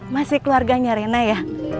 masih keluarganya rina ya